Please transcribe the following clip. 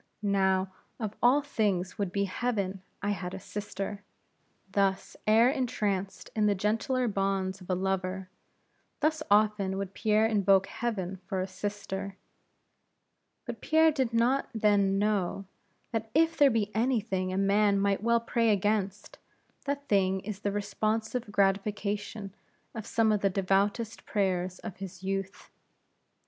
Now, of all things, would to heaven, I had a sister!" Thus, ere entranced in the gentler bonds of a lover; thus often would Pierre invoke heaven for a sister; but Pierre did not then know, that if there be any thing a man might well pray against, that thing is the responsive gratification of some of the devoutest prayers of his youth.